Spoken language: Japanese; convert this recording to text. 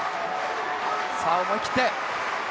さあ思い切って！